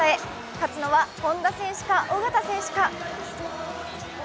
勝つのは本多選手か小方選手か。